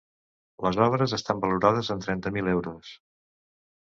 Les obres estan valorades en trenta mil euros.